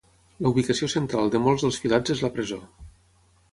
La ubicació central de molts dels filats és la presó.